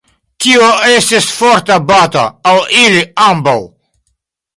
Tio estis forta bato al ili ambaŭ.